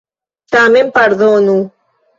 Tamen, pardonu.